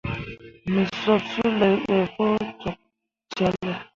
Me sup suley ɓe pu cok cahl.